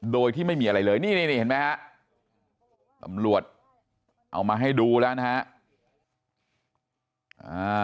โดยที่ไม่มีอะไรเลยนี่นี่เห็นไหมฮะตำรวจเอามาให้ดูแล้วนะฮะ